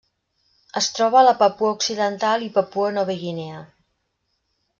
Es troba a la Papua Occidental i Papua Nova Guinea.